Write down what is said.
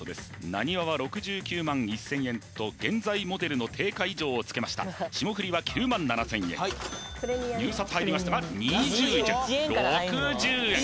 なにわは６９１０００円と現在モデルの定価以上をつけました霜降りは９７０００円入札入りましたが２１円６０円